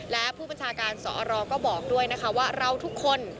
และผู้บัญชาการสอรก็บอกด้วยนะคะว่าเราทุกคน